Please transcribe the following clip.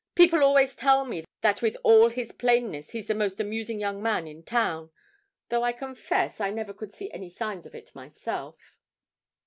'People always tell me that with all his plainness he's the most amusing young man in town, though I confess I never could see any signs of it myself.'